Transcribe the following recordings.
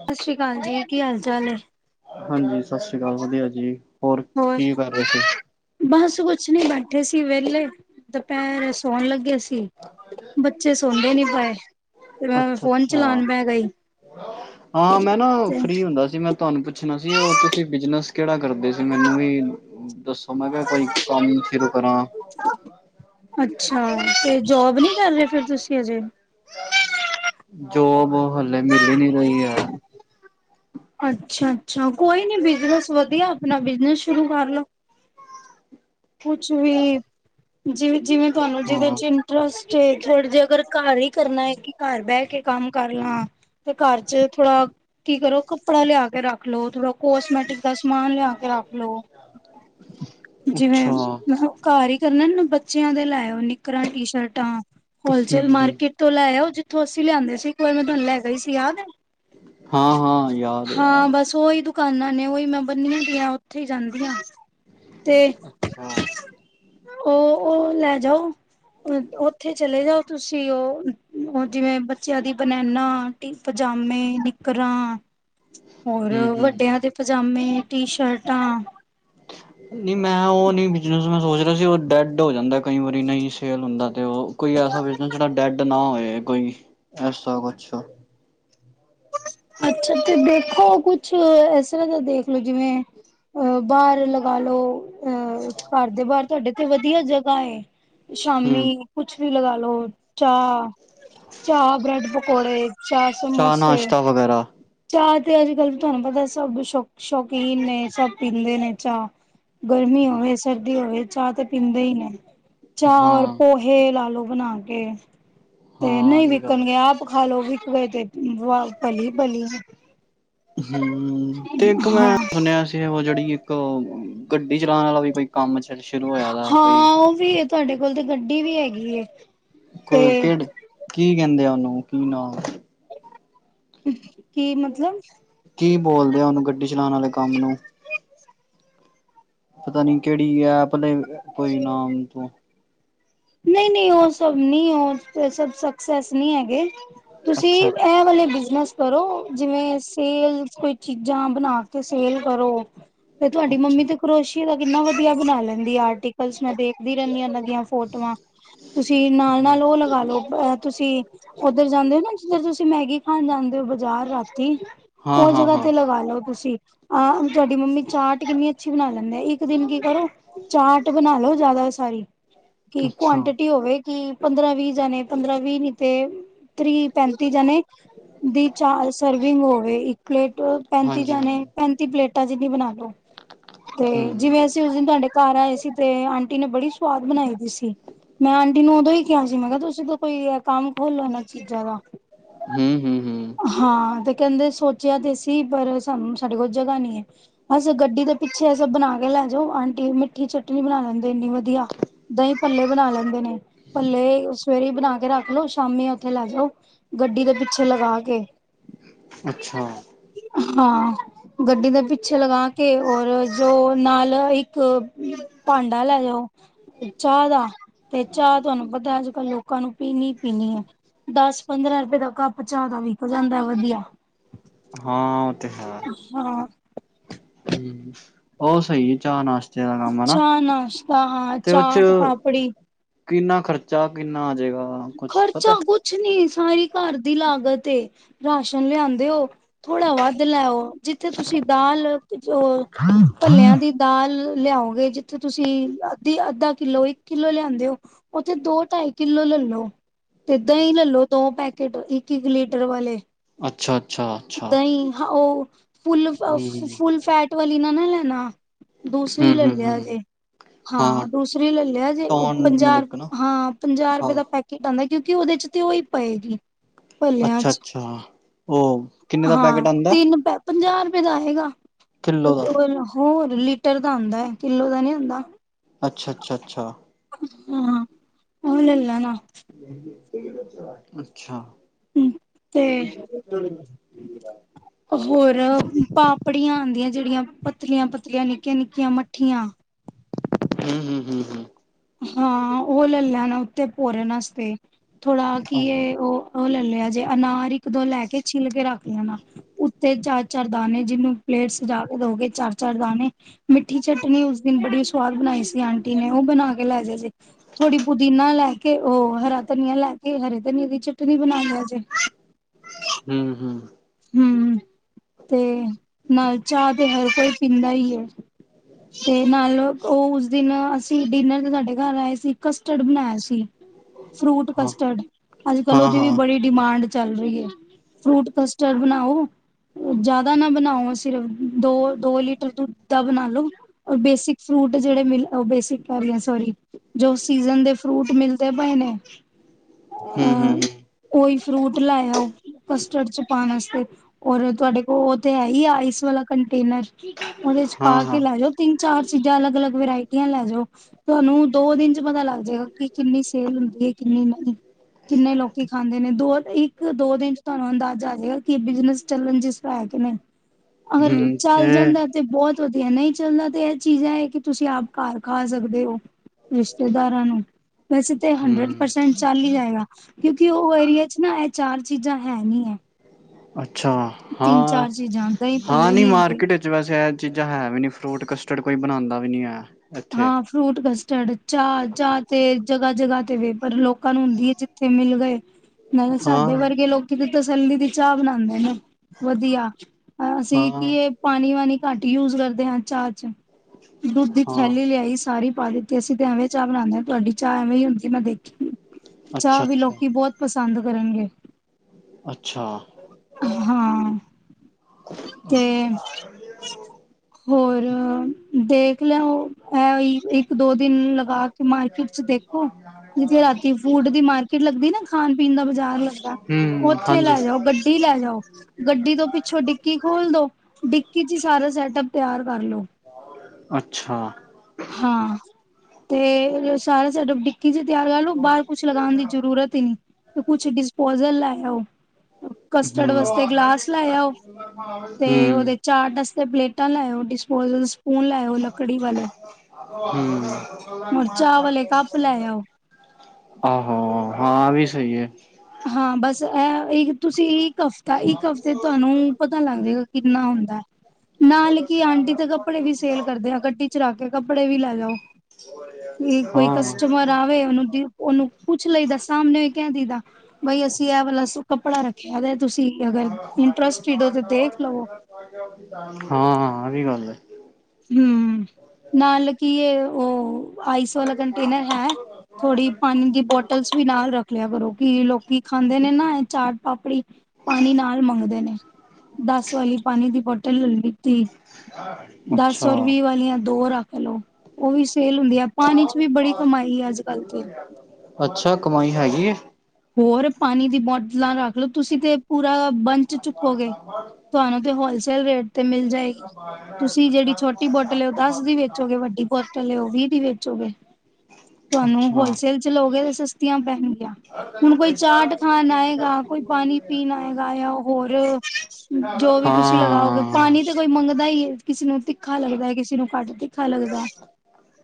ਸਤਿ ਸ੍ਰੀ ਅਕਾਲ ਜੀ, ਕਿ ਹਾਲ ਚਾਲ ਐ? ਹਾਂਜੀ। ਸਤਿ ਸ਼੍ਰੀ ਅਕਾਲ ਵਧੀਆ ਜੀ, ਹੋਰ ਕੀ ਕਰ ਰਹੇ ਸੀ? ਪਹਿਲੇ ਦੁਪਹਿਰ ਸੌਣ ਲੱਗੇ ਸੀ। ਬੱਚੇ ਸੌਦੇ ਨੀ ਪਾਏ ਤੇ ਮੈਂ ਅੱਛਾ ਫੋਨ ਅੱਛਾ ਚਲਾਣ ਬੈ ਗਈ। ਹਾਂ ਮੈਂ ਨਾ ਤੇ ਫ੍ਰਰੀ ਹੁੰਦਾ ਸੀ ਮੈਂ ਤੁਹਾਨੂੰ ਪੁੱਛ ਪੁੱਛਣਾ ਸੀ ਉਹ ਤੁਸੀਂ ਬਿਜਨਸ ਕਿਹੜਾ ਕਰਦੇ ਸੀ ਮੈਨੂੰ ਵੀ ਦੱਸੋ ਮੈਂ ਕਿਹਾ ਕੋਈ ਕੰਮ ਸ਼ੁਰੂ ਕਰਾਂ ਅੱਛਾ ਤੇ, ਜੋਬ ਨੀ ਕਰ ਰਹੇ ਫਿਰ ਤੁਸੀਂ ਅਜੇ? ਜੋਬ ਹਲੇ ਮਿਲ ਨੀ ਰਹੀ ਆ। ਅੱਛਾ-ਅੱਛਾ ਕੋਈ ਨੀ ਬਿਜਨਸ ਵਧੀਆ ਆਪਣਾ ਬਿਜਨਸ ਸ਼ੁਰੂ ਕਰਲੋ। ਕੁਛ ਵੀ ਜਿਵੇਂ ਜਿਵੇਂ ਤੁਹਾਨੂੰ ਜੀਂਦੇ ਹਾਂ ਚ ਇੰਟਰਸ ਤੇੇ ਥੋੜੇ ਜੇ ਅਗਰ ਘਰ ਹੀ ਕਰਨਾ ਹੈ ਕਿ ਘਰ ਬਹਿ ਕੇ ਕੰਮ ਕਰ ਲਾਂ, ਤੇ ਘਰ ਚ ਥੋੜਾ ਕੀ ਕਰੋ ਕੱਪੜਾ ਲਿਆ ਕੇ ਰੱਖ ਲੋੋ। ਥੋੜਾ ਕੋਸ ਮੈਟਿਕ ਦਾ ਸਮਾਨ ਲਿਆ ਕੇ ਰੱਖ ਲੋ, ਅੱਛਾ [unintelligible] ਘਰ ਹੀ ਕਰਨਾ ਨਾ ਬੱਚਿਆਂ ਦੇ ਲੈ ਆਓ ਨਿੱਕਰਾਂ, ਟੀ- ਸ਼ਰਟਾਂ ਹਮ ਹੋਲਸੇਲ ਹਮ ਮਾਰਕੀਟ ਤੋਂ ਲੈ ਆਓ ਜੇ ਜਿੱਥੋਂ ਅਸੀਂ ਲਿਆਂਦੇ ਸੀ ਇੱਕ ਵਾਰ ਮੈਂ ਤੁਹਾਨੂੰ ਲੈ ਗਈ ਸੀ ਯਾਦ ਏ। ਹਾਂ- ਹਾਂ ਯਾਦ ਹੈ, ਯਾਦ ਹੈ। ਬਸ ਉਹੀ ਦੁਕਾਨਾਂ ਨੇ ਉਹੀ ਮੈਂ ਬੰਨੀ ਦੀਆਂ ਉੱਥੇ ਜਾਂਦੀ ਹਾਂ ਤੇ ਅੱਛਾ ਉਹ-ਉਹ ਲੈ ਜਾਓ ਉੱਥੇ ਚਲੇ ਜਾਓ ਤੁਸੀਂ ਉਹ- ਉਹ ਜਿਵੇਂ ਬੱਚਿਆਂ ਦੀ ਬਨੈਨਾ ਪਜਾਮੇ, ਨਿਕਰ ਹਾਂ, ਹੋਰ ਹਮ ਹਮ ਵੱਡਿਆਂ ਦੇ ਪਜਾਮੇ ਟੀ- ਸ਼ਰਟਾਂ ਨਹੀਂ ਮੈਂ ਉਹ ਨਹੀਂ ਬਿਜਨਸ ਮੈਂ ਸੋਚ ਰਿਹਾ ਸੀ, ਉਹ ਡੈਡ ਹੋ ਜਾਂਦਾ ਕਈ ਵਾਰੀ ਨਹੀਂ ਸੇਲ ਹੁੰਦਾ। ਅਤੇ ਉਹ ਕੋਈ ਐਸਾ ਬਿਜਨਸ ਜਿਹੜਾ ਡੈਡ ਨਾ ਹੋਵੇ। ਕੋਈ ਐਸਾ ਵਛਾ ਅੱਛਾ ਤੇ ਦੇਖੋ ਕੁਛ ਇਸ ਤਰ੍ਹਾਂ ਦਾ ਦੇਖਲੋ, ਜਿਵੇਂ ਅਹ ਬਾਰ ਲਗਾ ਲੋ ਅ ਘਰ ਦੇ ਬਾਹਰ ਤੁਹਾਡੇ ਤੇ ਵਧੀਆ ਜਗ੍ਹਾ ਹੈ। ਸ਼ਾਮੀ ਹਮ ਕੁੱਛ ਵੀ ਲਗਾ ਲੋੋ ਚਾਹ-ਚਾਹ ਬ੍ਰੈਡ ਪਕੌੜੇ ਚਾਹ ਨਾਸ਼ਤਾ ਵਗੈਰਾ ਚਾਹ ਤੇ ਅੱਜ- ਕੱਲ ਤੁਹਾਨੂੰ ਪਤਾ ਸਭ ਸ਼ੌ ਸ਼ੌਕੀਨ ਨੇ ਸਭ ਪੀਂਦੇ ਨੇ ਚਾਹ ਗਰਮੀ ਹੋਵੇ, ਸਰਦੀ ਹੋਵੇ ਚਾਹ ਤੇ ਪੀਂਦੇ ਹੀ ਨੇ। ਚਾਰ ਹਾਂ, ਪੋਹੇ ਲਾ ਲੋ। ਬਣਾ ਕੇ ਤੇ ਹਾਂ ਨਹੀਂ ਇਹ ਵੀ ਗੱਲ ਹੈ। ਵਿਕਣਗੇ ਆਪ ਖਾ ਲਓ ਵੀ ਗਏ ਤੇ ਵ- ਪਲੀ ਬਲੀ ਐ। ਹੂੰ ਤੇ ਇੱਕ ਮੈਂ ਸੁਣਿਆ ਸੀ, ਉਹ ਜਿਹੜੀ ਇੱਕ ਗੱਡ ਗੱਡੀ ਚਲਾਣ ਵਾਲਾ ਵੀ ਕੋਈ ਕੰਮ ਸ਼ੁਰੂ ਹੋਇਆ ਵਾ ਕੋਈ ਗ‌ੱਡੀ ਵੀ ਹੈਗੀ ਏ। ਤੇ ਕੋਈ ਕਿਹੜੇ ਕੀ ਕਹਿੰਦੇ ਆ ਉਹਨੂੰ ਕੀ ਨਾਮ ਕੀ ਮਤਲਬ ਕੀ ਬੋਲਦੇ ਆ ਉਹਨੂੰ ਗੱਡੀ ਚਲਾਉਣ ਵਾਲੇ ਕੰਮ ਨੂੰ ਪਤਾ ਨੀ ਕਿਹੜੀ ਆ ਭਲੇ ਕੋਈ ਨਾਮ ਤੂੰ ਨਹੀਂ ਨਹੀਂ ਉਹ ਸਭ ਨਹੀਂ ਉਹ ਸਭ ਸਕਸੈਸ ਨਹੀਂ ਹੈਗੇ ਤੁਸੀਂ ਅੱਛਾ, ਅੱਛਾ। ਇਹ ਵਾਲੇ ਬਿਜਨਸ ਕਰੋ ਜਿਵੇਂ ਸੇਲ ਕੋਈ ਚੀਜ਼ਾਂ ਬਣਾ ਕੇ ਸੇਲ ਕਰੋ ਤੇ ਤੁਹਾਡੀ ਅੱਛਾ ਮੰਮੀ ਤੇ ਕਰੋਸ਼ੀ ਦਾ ਕਿੰਨਾ ਵਧੀਆ ਬਣਾ ਲੈਂਦੀ ਆਰਟਿ ਕੁੱਛ, ਮੈਂ ਦੇਖਦੀ ਰਹਿੰਨੀ ਆ ਇਨ੍ਹਾਂ ਦੀਆਂ ਫੋਟੋ ਆ ਤੁਸੀਂ ਨਾਲ-ਨਾਲ ਹਾਂ, ਉਹ ਲਗਾ ਲਓ, ਅ ਤੁਸੀਂ ਉੱਧਰ ਜਾਂਦੇ ਹੋ ਨਾ, ਜਿੱਧਰ ਤੁਸੀਂ ਮੈਗੀ ਖਾਣ ਜਾਂ ਬਾਜ਼ਾਰ ਰਾਤੀ, ਉਹ ਹਾਂ, ਜਗ੍ਹਾ ਹਾਂ 'ਤੇ ਲਗਾ ਲਓ ਤੁਸੀਂ ਆਹ! ਤੁਹਾਡੀ ਮੰਮੀ ਚਾਟ ਕਿੰਨੀ ਅੱਛੀ ਬਣਾ ਲੈਂਦੇ ਆ। ਇੱਕ ਦਿਨ ਕੀ ਕਰੋ, ਚਾਟ ਬਣਾ ਲੋ ਜ਼ਿਆਦਾ ਸਾਰੀ ਕੀ ਅੱਛਾ ਕੁਆਂਟਿਟੀ ਹੋਵੇ ਕਿ ਪੰਦਰਾਂ ਵੀਹ ਜਣੇ, ਪੰਦਰਾਂ ਵੀਹ ਨੀ ਤੇ ਤ੍ਰੀਹ-ਪੈਂਤੀ ਜਣੇ ਦੀ ਚਾਰ ਸਰਵਿੰਗ ਹੋਵੇ, ਇੱਕ ਪਲੇਟ ਪੈਂਤੀ ਹਾਂਜੀ, ਹਾਂਜੀ ਜਣੇ, ਪੈਂਤੀ ਪਲੇਟ ਤਾ ਜਿੰਨੀ ਬਣਾ ਤੇ ਹੂੰ। ਜਿਵੇਂ ਅਸੀਂ ਉਸ ਦਿਨ ਤੁਹਾਡੇ ਘਰ ਆਏ ਸੀ, ਤੇ ਆਂਟੀ ਨੇ ਬੜੀ ਸਵਾਦ ਬਣਾਈ ਦੀ ਸੀ ਮੈਂ ਆਂਟੀ ਨੂੰ ਉਦੋਂ ਹੀ ਕਿਹਾ ਸੀ, ਮੈਂ ਕਿਹਾ ਤੁਸੀਂ ਤਾਂ ਕੋਈ ਕੰਮ ਖੋਲ੍ਹੋ ਇਨ੍ਹਾਂ ਚੀਜ਼ਾਂ ਦਾ। ਹੂੰ ਹੂੰ ਹੂੰ ਹਾਂ ਕਹਿੰਦੇ ਸੋਚਿਆ ਤੇ ਸੀ, ਪਰ ਸਾਨੂੰ ਸਾਡੇ ਕੋਲ ਜਗ੍ਹਾ ਨੀ ਹੈ। ਅਸ ਗੱਡੀ ਦੇ ਪਿੱਛੇ ਇਹ ਸਭ ਬਣਾ ਕੇ ਲੈ ਜਾਓ ਆਂਟੀ ਮਿੱਠੀ ਚਟਨੀ ਬਣਾ ਲੈਂਦੇ ਇੰਨੀ ਵਧੀਆ। ਦਈਂ-ਪੱਲੇ ਬਣਾ ਲੈਂਦੇ ਨੇ, ‍ ਪੱਲੇ ਸਵੇਰੇ ਬਣਾ ਕੇ ਰੱਖ ਲੋ, ਸ਼ਾਮੀ ਉੱਥੇ ਲੈ ਜਾਓ ਗੱਡੀ ਦੇ ਪਿੱਛੇ ਲਗਾ ਕੇ ਅੱਛਾ। ਹਾਂ, ਗੱਡੀ ਦੇ ਪਿੱਛੇ ਲਗਾ ਕੇ ਔਰ ਜੋ ਨਾਲ ਇੱਕ ਭਾਂਡਾ ਲੈ ਜਾਓ ਚਾਹ ਦਾ ਤੇ ਚਾਹ ਤੁਹਾਨੂੰ ਪਤਾ ਅੱਜ ਕੱਲ ਲੋਕਾਂ ਨੂੰ ਪੀਣੀ-ਪੀਣੀ ਹੈ। ਦਸ-ਪੰਦਰਾਂ ਰੁਪਏ ਦਾ ਕੱਪ ਚਾਹ ਦਾ ਵੀ। ਹੋ ਜਾਂਦਾ ਵਧੀਆ। ਹਾਂ ਤੇ ਹੈ ਹਾਂ। ਉਹ ਸਹੀ ਹੈ ਚਾਅ ਨਾਸ਼ ਅੱਛਾ, ਨਾਸ਼ਤਾ ਹਾਂ ਉਹ 'ਚ ਚਾਟ-ਪਾਪੜੀ। ਕਿੰਨਾ ਖਰਚਾ, ਕਿੰਨਾ ਜਾਏਗਾ ਕੁਛ ਪਤਾ? ਖਰਚਾ ਕੁਛ ਨਹੀਂ ਸਾਰੀ ਘਰ ਦੀ ਲਾਗਤ ਏ, ਰਾਸ਼ਨ ਲਿਆਂਦੇ ਹੋ ਥੋੜਾ ਵੱਧ ਲੈਓ, ਜਿੱਥੇ ਤੁਸੀਂ ਦਾਲ ਭਲਿਆਂ ਦੀ ਦਾਲ ਲਿਆਓਗੇ ਜਿੱਥੇ ਤੁਸੀਂ ਅੱਧੀ ਅੱਧਾ ਕਿੱਲੋ ਇੱਕ ਕਿੱਲੋ ਲਿਆਂਦੇ ਹੋ, ਉੱਥੇ ਦੋ-ਢਾਈ ਕਿੱਲੋ ਲਲੋ। ਤੇ ਦਹੀ ਲਲੋ ਦੋ ਪੈਕੇਟ ਇੱਕ-ਇੱਕ ਲੀਟਰ ਵਾਲੇ ਅੱਛਾ, ਅੱਛਾ, ਅੱਛਾ ਦਹੀਂ, ਹ ਉਹ ਹੂੰ, ਫੁੱਲ-ਫ-ਫ-ਫੁਲ-ਫੈਟ ਵਾਲੀ ਨਾ ਸੁਣ ਲੇ ਨਾ ਦੂਸਰੀ ਹੂੰ, ਹੂੰ, ਹੂੰ ਲੇਲੀਆ ਜੇ, ਹਾਂ, ਦੂਸਰੀ ਲੇਲਿਆ ਜੇ। ਉਹ ਟੋਨ ਪੰਜਾਹ, ਮਿਲਕ ਨਾ ਹਾਂ, ਪੰਜਾਹ ਰਪਏ ਹਾਂ ਦਾ ਕੀ ਪੈਂਦੈ, ਕਿਉਂਕਿ ਔਦੇ ਚ ਤੇ ਔਈ ਪਏਗੀ। ਭਲਿਆਂ ਅੱਛਾ ਚ ਅੱਛਾ, ਓਹ ਕਿੰਨੇ ਦਾ ਪੈਕੇਟ ਹਾਂ ਆਂਦੈ। ਤਿੰਨ ਪੈ ਪੰਜਾਹ ਰੁਪੇ ਦਾ ਆਏਗਾ। ਹੋਰ। ਲੀਟਰ ਦਾ ਹੁੰਦੈ ਕਿੱਲੋ ਦਾ ਨੀ ਹੁੰਦਾ। ਅੱਛਾ ਅੱਛਾ ਅੱਛਾ। ਹਾਂ ਔ ਲੱਲ ਲੈਨਾ। [unintelligible] ਅੱਛਾ। ਤੇ ਹੋਰ ਪਾਪੜੀਆਂ ਆਂਦੀਐ, ਜੇੜੀਆਂ ਪਤਲੀਆਂ ਪਤਲੀਆਂ ਨੇ ਨਿੱਕੀਆਂ ਮੱਠੀਆਂ। ਹੂੰ ਹੂੰ ਹੂੰ ਹੂੰ। ਹਾਂ, ਔ ਲੈ ਲੈਨਾ ਉੱਤੇ ਪੋਰਨ ਵਸਤੇ। ਥੋੜਾ ਹੂੰ, ਕੀ ਏ ਔ ਔ ਲੈ ਲਿਆ ਜੇ ਅਨਾਰ ਇੱਕ ਦੋ ਲੈ ਕੇ ਛਿੱਲ ਕੇ ਰੱਖ ਲੈਣਾ, ਉੱਤੇ ਚਾਰ ਚਾਰ ਦਾਣੇ ਜਿਨੂੰ ਪਲੇਟ ਸਜਾ ਕੇ ਦੋਗੇ ਚਾਰ ਚਾਰ ਦਾਣੇ ਮਿੱਠੀ ਚਟਨੀ ਉਸ ਦਿਨ ਬੜੀ ਸਵਾਦ ਬਣਾਈ ਸੀ ਆਂਟੀ ਨੇ ਓਹ ਬਣਾ ਕੇ ਕੇ ਲੈ ਜ ਜੇ ਥੋੜੀ ਪੁਦੀਨਾ ਲੈ ਕੇ ਓਹ ਹਰਾ ਧਨੀਆ ਲੈ ਕੇ ਇ ਹਰੇ ਧਨੀਏ ਦੀ ਚਟਨੀ ਬਣਾ ਲਿਆ ਜੇ। ਹੂੰ ਹੂੰ। ਤੇ ਨਾਲ ਚਾਹ ਦੇ ਹ ਕੋਈ ਪੀਂਦਾ ਈ ਏ ਤੇ ਨਾਲੋ ਓਹ ਉਸ ਦਿਨ ਅਸੀਂ ਡਿਨਰ ਤੇ ਸਾਡੇ ਘਰ ਆਏ ਸੀ। ਕਸਟਰਡ ਬਣਾਆ ਸੀ, ਫਰੂਟ ਹਾਂ, ਕਸਟਰਡ। ਅੱਜ ਕਲ ਹਾਂ, ਔਦੀ ਵੀ ਹਾਂ ਬੜੀ ਡਿਮਾਂਡ ਹਾਂ ਜੀ ਫਰੂਟ ਕਸਟਰਡ ਬਣਾਓ ਜੈਦਾ ਨਾ ਬਣਾਓ, ਸਿਰਫ ਦੋ ਦੋ ਲੀਟਰ ਦੁੱਧ ਦਾਂ ਬਣਾ ਲੋ। ਔਰ ਬੇਸਿਕ ਫਰੂਟ ਜੇੜੇ ਮਿਲ ਔ ਬੇਸਿਕ ਟੋਰੀ ਔ ਸੋਰੀ ਜੋ ਸੀਜਨ ਦੇ ਫਰੂਟ ਮਿਲ ਦੇ ਪਏ ਨੇ। ਹੂੰ, ਹੂੰ, ਹਾਂ, ਹੂੰ ਔਈ ਫਰੂਟ ਲੈ ਆਓ, ਕਸਟਰਡ ਚ ਪਾਣ ਵਾਸਤੇ ਔਰ ਤੁਹਾਡੇ ਕੋਲ ਔ ਤੇ ਹੈ ਈ ਆ ਆਈਸ ਵਾਲਾ ਕੰਟੇਨਰ। ਔਦੇ ਚ ਹਾਂ, ਪਾ ਕੇ ਹਾਂ ਲੈ ਜੋ, ਤਿੰਨ ਚਾਰ ਚ ਚੀਜ਼ਾਂ ਅਲੱਗ ਅਲੱਗ ਵਰਾਇਟੀਆਂ ਲੈ ਜੋ। ਤੁਹਾਨੂੰ ਦੋ ਦਿਨ ਚ ਪਤਾ ਲੱਗ ਜੇਗਾ ਕਿ ਕਿੰਨੀ ਸੇਲ ਹੁੰਦੀ ਏ, ਕਿੰਨੀ ਨਹੀਂ। ਕਿੰਨੇ ਲੋਕੀ ਖਾਂਦੇ ਨੇ ਦੋ ਇੱਕ ਦੋ ਦਿਨ ਚ ਤੁਹਾਨੂੰ ਅੰਦਾਜ਼ਾ ਹੋਜ ਕੀ ਬਿਜਨਸ ਚੱਲਣ ਜਿਸ ਹੈ ਕੇ ਨੇ। ਅਗਰ ਚੱਲ ਜਾਂਦਾ ਤੇ ਬਹੁਤ ਵਧੀਆ ਨਈ ਚੱਲਦਾ ਤੇ ਇਹ ਚੀਜ਼ਾਂ ਐ ਕਿ ਤੁਸੀਂ ਆਪ ਘਰ ਖਾ ਸਕਦੇ ਓ ਰਿਸ਼ਤੇਦਾਰਾਂ ਨੂੰ ਵੈਸੇ ਤਾਂ ਹੰਡਰਡ ਹੂੰ ਪਰਸੈਂਟ ਚੱਲ ਹੀ ਜਾਏਗਾ ਕਿਉਂਕਿ ਉਹ ਏਰੀਏ ਚ ਨਾ ਚਾਰ ਚੀਜ਼ਾਂ ਹੈਨੀ ਐ ਅੱ ਅੱਛਾ ਚਾਰ ਚੀਜ਼ਾਂ ਦਹੀਂ ਹਾਂ-ਹਾਂ ਭੱਲੇ ਨੀ ਹੈਗੇ। ਮਾਰਕੀਟ ਵਿੱਚ ਵੈਸੇ ਇਹ ਚੀਜ਼ਾਂ ਹੈ ਵੀ ਨੀ ਫਰੂਟ ਕਸ ਫਿਰ ਕੋਈ ਬਣਾਂਦਾ ਵੀ ਨੀ ਐ ਹਾਂ ਫਰੂਟ ਬਸ ਚੜ ਚਾਹ ਚਾਹ ਤੇ ਜਗ੍ਹਾ ਜਗ੍ਹਾ ਤੇ ਵੇ ਪਰ ਲੋਕਾਂ ਨੂੰ ਹੁੰਦੀ ਏ ਜਿੱਥੇ ਮਿਲ ਗਏ ਨਹੀਂ ਸਾਡੇ ਹਾਂ ਵਰਗੇ ਲੋਕੀ ਤੇ ਤਸੱਲੀ ਦੀ ਚਾਹ ਬਣਾਂਦੇ ਨੇ। ਵਧੀਆ ਅਸੀਂ ਕੀ ਇਹ ਹਾਂ ਪਾਣੀ ਵਾਣੀ ਘੱਟ ਯੂਜ ਕਰਦੇ ਹਾਂ ਚਾਹ ਚ ਦੁੱਧ ਦੀ ਹਾਂ ਥੈਲੀ ਲਿਆਈ ਸਾਰੀ ਪਾ ਦਿੱਤੀ ਅਸੀਂ ਤੇ ਐਵੇਂ ਚਾਹ ਬਣਾਉਦੇ ਆ ਤੁਹਾਡੀ ਚਾਹ ਐਵੇਂ ਹੀ ਹੁੰਦੀ ਮੈਂ ਦੇਖੀ। ਚਾਹ ਅੱਛਾ ਵੀ ਅੱਛਾ ਲੋਕੀ ਬਹੁਤ ਪਸੰ ਪਸੰਦ ਕਰਨਗੇ। ਅੱਛਾ ਹਾਂ ਤੇ ਹੋਰ ਦੇਖ ਲਿਆਓ ਹੈ ਓਹੀ ਦੋ ਦਿਨ ਲਗਾ ਕੇ ਮਾਰਕੀਟ ਚ ਦੇਖੋ ਜਿਥੇ ਰਾਤੀ ਫੂਡ ਦੀ ਮਾਰਕੀਟ ਲੱਗਦੀ ਨਾ ਖਾਣ ਪੀਣ ਦਾ ਬਾਜ਼ਾਰ ਲੱਗਦਾ ਹਮ ਓਥੇ ਹਾਂਜੀ ਲੈ ਜਾਓ ਗੱਡੀ ਲੈ ਜਾਓ ਗੱਡੀ ਤੋਂ ਪਿੱਛੋਂ ਡਿੱਕੀ ਖੋਲ ਦੋ ਡਿੱਕੀ ਚ ਹੀ ਸਾਰਾ ਸੈਟ ਅਪ ਤਿਆਰ ਕਰ ਲੋ ਅੱਛਾ। ਹਾਂ ਤੇ ਸਾਰਾ ਸਾਡਾ ਡਿ ਕੀ ਚ ਤਿਆਰ ਕਰ ਲੋ ਬਾਹਰ ਕੁੱਛ ਲਗਾਉਣ ਦੀ ਜ਼ਰੂਰਤ ਹੀ ਨੀ ਕੁਛ ਡਿਸਪੋਜਲ ਲੈ [unintelligible] ਕਸਟਰਡ ਹਮ ਵਾਸਤੇ ਗਲਾਸ ਲਾਇਆ, ਉਹ ਤੇ, ਹਮ ਉਹਦੇ ਚਾ [unintelligible] ਤੇ, ਪਲੇਟਾਂ ਲੈਆਓ ਡਿਸਪੋਜਰਸ ਸਪੂਨ ਲੈ ਆਓ ਲੱਕੜੀ ਵਾਲੇ। ਹੂੰ ਹੋਰ ਚਾਹ ਵਾਲੇ ਕੱਪ ਲੈ ਆਓ। ਆ-ਹਾ ਹਾਂ, ਆ ਵੀ ਸਹੀ ਏ। ਇਹੀ ਤੁਸੀਂ ਇੱਕ ਹਫਤਾ ਇਕ ਹਫਤੇ ਤੁਹਾਨੂੰ ਪਤਾ ਲੱਗ ਜਾਏਗਾ ਕਿੰਨਾ ਹੁੰਦਾ, ਨਾਲ ਕਿ ਆਂਟੀ ਤਾ ਕੱਪੜੇ ਵੀ ਸੇਲ ਕਰਦੇ ਆ, ਗੱਡੀ ਚ ਰੱਖ ਕੇ ਕੱਪੜੇ ਵੀ ਲੈ ਜਾਓ, ਕੋਈ ਹਾਂ ਕਸਟਮਰ ਆਵੇ ਉਹਨੂੰ ਦਿਓ ਉਹਨੂੰ ਪੁੱਛ ਲਈ ਦਾ ਸਾਹਮਣੇ ਵੀ ਕਂਹਿ ਦਈ ਦਾ। ਬਈ ਅਸੀਂ ਇਹ ਵਾਲਾ ਕੱਪੜਾ ਰੱਖਿਆ, ਤੁਸੀਂ ਅਗਰ ਇੰਟਰਸਟਡ ਹੋ, ਤੇ ਦੇਖ ਲਵੋ। ਹਾਂ, ਆ, ਵੀ ਗੱਲ ਏ। ਹੂੰ, ਨਾਲ ਕੀ ਇਹ ਉਹ ਆਈਸ ਵਾਲਾ ਕੰਟੇਨਰ ਹੈ ਥੋੜੀ ਪਾਣੀ ਦੀ ਬੋਟਲਸ ਵੀ ਨਾਲ ਰੱਖ ਲਿਆ ਕਰੋ, ਕਿ ਲੋਕੀ ਖਾਂਦੇ ਨੇ ਨਾ, ਇਹ ਚਾਟ ਪਾਪੜੀ ਪਾਣੀ ਨਾਲ ਮੰਗਦੇ ਨੇ, ਦੱਸ ਵਾਲੀ ਪਾਣੀ ਦੀ ਬੋਟਲ ਲੈ ਲੀਤੀ। ਦੱਸ ਅੱਛਾ ਔਰ, ਵੀਹ ਵਾਲੀਆਂ ਦੋ ਰੱਖ ਲੋ ਉਹ ਵੀ ਸੇਲ ਹੁੰਦੀ ਹੈ, ਪਾਣੀ'ਚ ਵੀ ਬੜੀ ਕਮਾਈ ਹੈ ਅੱਜ- ਕੱਲ ਤੇ। ਅੱਛਾ ਕਮਾਈ ਹੈਗੀ ਏ? ਹੋਰ ਪਾਣੀ ਦੀ ਬੋਟਲਾਂ ਰੱਖ ਮਤਲਬ ਤੁਸੀਂ ਤੇ ਪੂਰਾ ਬੰਚ ਚੁੱਕੋਗੇ, ਤੁਹਾਨੂੰ ਤੇ ਹੋਲਸੇਲ ਰੇਟ ਤੇ ਮਿਲ ਜਾਏਗੀ, ਤੁਸੀਂ ਜਿਹੜੀ ਛੋਟੀ ਬੋਟਲ ਦਸ ਦੀ ਵੇਚੋਗੇ, ਵੱਡੀ ਬੋਟਲ ਹੈ ਉਹ ਵੀਹ ਦੀ ਵੇਚੋਗੇ, ਤੁਹਾਨੂੰ ਅੱਛਾ ਹੋਲਸੇਲ'ਚ ਲਓਗੇ ਤੇ ਸਸਤੀਆਂ ਪੈਣਗੀਆਂ। ਹੁਣ ਕੋਈ ਚਾਟ ਖਾਣ ਆਏਗਾ। ਕੋਈ ਪਾਣੀ ਪੀਣ ਆਏਗਾ ਤਾਂ, ਹੋਰ ਜੋ ਵੀ ਤੁਸੀਂ ਲਗਾਓਗੇ, ਹਾਂ ਪਾਣੀ ਤਾਂ ਕੋਈ ਮੰਗਦਾ ਹੀ ਹੈ। ਕਿਸੇ ਨੂੰ ਤਿੱਖਾ ਲੱਗਦਾ ਹੈ, ਕਿਸੇ ਨੂੰ ਘੱਟ ਤਿੱਖਾ ਲੱਗਦਾ‌।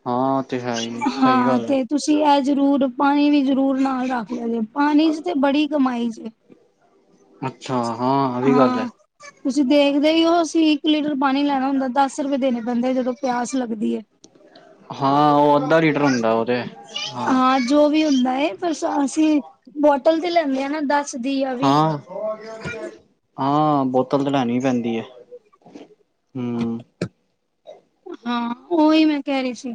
ਹਾਂ ਉਹ ਤੇ ਹੈ ਹੀ ਸਹੀ ਹਾਂ, ਗੱਲ ਹੈ ਤੇ ਤੁਸੀਂ ਜ਼ਰੂਰ ਪਾਣੀ ਵੀ ਜ਼ਰੂਰ ਨਾਲ ਰੱਖ ਲੈ ਪਾਣੀ'ਚ ਤੇ ਬੜੀ ਕਮਾਈ ਜੇ। ਅੱਛਾ ਇਹ ਵੀ ਗੱਲ ਹੈ ਹਾਂ, ਤੁਸੀਂ ਦੇਖਦੇ ਹੀ ਹੋ ਅਸੀ ਇੱਕ ਲੀਟਰ ਪਾਣੀ ਲੈਣਾ ਹੁੰਦਾ, ਦਸ, -ਰੁਪਏ ਦੇਣੇ ਪੈਂਦੇ, ਜਦੋਂ ਪਿਆਸ ਲੱਗਦੀ ਹੈ। ਹਾਂ, ਉਹ ਅੱਧਾ ਲੀਟਰ ਹੁੰਦਾ ਉਹ ਤੇ, ਹਾਂ। ਨੀ ਪਰ ਅਸੀਂ ਬੋਟਲ ਤੇ ਲੈਂਦੇ ਆ, ਨਾ, ਦੱਸ ਦੱਸ ਦੀ ਆ, ਵੀਹ ਦੀ। ਹਾਂ ਹਾਂ ਬੋਤਲ ਤਾਂ ਲੈਣੀ ਪੈਂਦੀ ਹੈ। ਹੂੰ ਹਾਂ ਉਹੀ ਮੈਂ ਕਹਿ ਰਹੀ ਸੀ।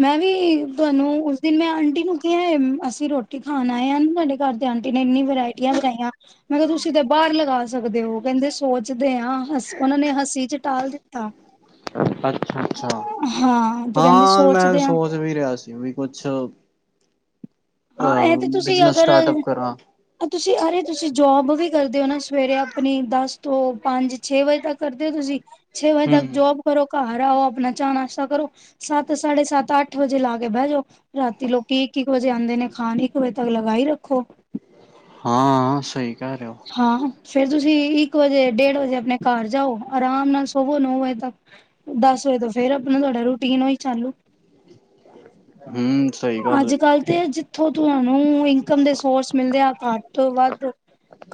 ਮੈਂ ਵੀ ਤੁਹਾਨੂੰ ਉਸ ਦਿਨ ਮੈਂ ਆਂਟੀ ਨੂੰ ਕਿਹਾ ਅਸੀਂ ਰੋਟੀ ਖਾਣ ਆਏ ਹਾਂ। ਤੁਹਾਡੇ ਘਰ ਦੇ ਆਂਟੀ ਨੇ ਇੰਨੀ ਵਰਾਇਟੀਆਂ ਬਣਾਈਆਂ ਮੈਂ ਕਿਹਾ ਤੁਸੀਂ ਤੇ ਬਾਹਰ ਲਗਾ ਸਕਦੇ ਹੋ ਕਹਿੰਦੇ ਸੋਚਦੇ ਆ ਉਹਨਾਂ ਨੇ ਹੱਸੀ ਚ ਟਾਲ ਦਿੱਤਾ। ਅੱਛਾ ਅੱਛਾ ਹਾਂ ਤੇ ਕਹਿੰਦੇ ਹਾਂ ਮੈਂ ਸੋਚਦੇ ਹਾਂ ਸੋਚ ਵੀ ਰਿਹਾ ਸੀ ਵੀ ਕੁਛ- ਹਾਂ ਇਹ ਤੇ ਤੁਸੀਂ ਬਿਜਨਸ ਅਗਰ ਸਟਾਰਟਅਪ ਕਰਾਂ ਤੁਸੀਂ ਅਰੇ ਤੁਸੀਂ ਜੋਬ ਵੀ, ਕਰਦੇ ਹੋ ਨਾ ਸਵੇਰੇ ਆਪਣੀ ਦਸ ਤੋਂ ਪੰਜ ਛੇ ਵਜੇ ਤੱਕ, ਕਰਦੇ ਹੋ ਤੁਸੀਂ ਛੇ ਵਜੇ ਤੱਕ ਹਮ ਜੋਬ ਕਰੋ। ਘਰ ਆਓ ਅਪਣਾਂ ਚਾ ਨਾਸ਼ਤਾ ਕਰੋ, ਸੱਤ ਸਾਢੇ ਸੱਤ ਅੱਠ ਵਜੇ ਲਾ ਕੇ ਬੈ ਜੋ, ਰਾਤੀ ਲੋਕੀ ਇੱਕ ਇੱਕ ਵਜੇ ਆਂਦੇ ਨੇ। ਖਾਣ ਇੱਕ ਵਜੇ ਤੱਕ ਲਗਾਈ ਰੱਖੋ। ਹਾਂ, ਸਹੀ ਕੈ ਰੇ ਔ। ਹਾਂ ਫੇਰ, ਤੁਸੀਂ ਇੱਕ ਵਜੇ ਡੇਢ ਵਜੇ ਅਪਣੇ ਘਰ ਜਾਓ ਆਰਾਮ ਨਾਲ ਸੋਵੋ ਨੌ ਵਜੇ ਤੱਕ। ਦਸ ਵਜੇ ਤੋਂ ਫੇਰ ਅਪਣਾ ਤੁਹਾਡਾ ਰੂਟੀਨ ਔਈ ਚਾਲੂ। ਹਮ ਸਹੀ ਗੱਲ ਅੱਜ ਹੈ ਕੱਲ੍ਹ ਤੇ ਜਿੱਤ ਇੱਥੋਂ ਤੁਹਾਂਨੂੰ ਇਨਕਮ ਦੇ ਸੋਰਸ ਮਿਲਦੇ ਆ, ਘੱਟ ਤੋਂ ਵੱਧ।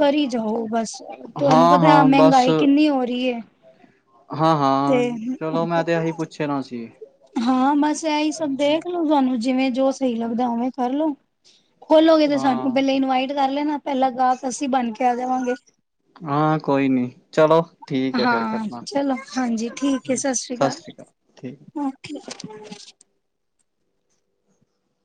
ਪੀ ਜਾਓ ਬਸ ਤੁਵਾਨੁ ਹਾਂ ਪਤਾ ਹਾਂ ਬਸ ਮੈੰਗਾਈ ਕਿੰਨੀ ਹੋ ਰੀ ਏ। ਹਾਂ ਹਾਂ ਚਲੋ, ਮੈਂ ਤੇ ਐਹੀ ਪੁੱਛਨਾ ਸੀ। ਹਾਂ, ਬਸ ਐਹੀ ਸਭ ਦੇਖਲੋ ਤੁਹਾਨੂੰ ਜਿਵੇਂ ਜੋ ਸਹੀ ਲੱਗਦਾ ਉਵੇਂ ਕਰਲੋ। [inaudible] ਖੋਲੋਗੇ ਤੇ ਸਾਨੂੰ ਹਾਂ ਪਹਿਲੇ ਇਨਵਾਈਟ ਕਰ ਲੈਣਾ ਪਹਿਲਾ ਗਾਹਕ ਅਸੀਂ ਬਣ ਕੇ ਆ ਜਾਵਾਂਗੇ। ਹਾਂ, ਕੋਈ ਨੀ ਚਲੋ। ਠੀਕ ਹੈ ਫੇਰ ਹਾਂ ਕਰਨਾ ਚਲੋ, ਹਾਂਜੀ ਠੀਕ ਏ, ਸਤ ਸ੍ਰੀ ਸਤਿ ਅਕਾਲ ਠੀਕ ਕਾਲ। [inaudible]